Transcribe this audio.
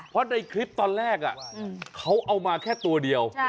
เพราะในคลิปตอนแรกเขาเอามาแค่ตัวเดียว